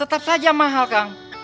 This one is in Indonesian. tetap saja mahal kang